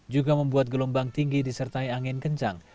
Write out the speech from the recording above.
juga membuat gelombang tinggi disertai angin kencang